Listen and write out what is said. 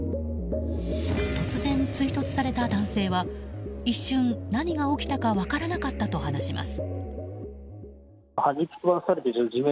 突然、追突された男性は一瞬、何が起きたか分からなかったと話します。